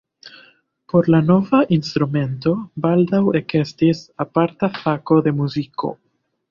Por la nova instrumento baldaŭ ekestis aparta fako de muziko.